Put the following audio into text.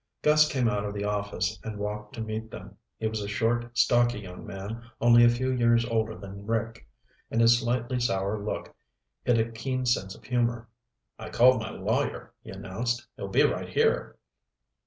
Gus came out of the office and walked to meet them. He was a short, stocky young man only a few years older than Rick, and his slightly sour look hid a keen sense of humor. "I called my lawyer," he announced. "He'll be right here."